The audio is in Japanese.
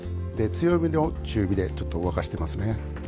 強火の中火で沸かしてますね。